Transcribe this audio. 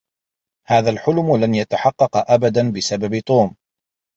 هذا الحلم لن يتحقّق أبدا بسبب توم.